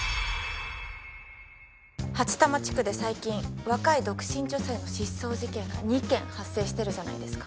八多摩地区で最近若い独身女性の失踪事件が２件発生してるじゃないですか。